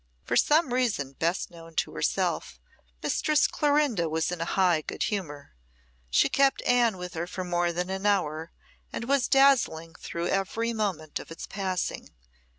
For some reason best known to herself, Mistress Clorinda was in a high good humour. She kept Anne with her for more than an hour, and was dazzling through every moment of its passing.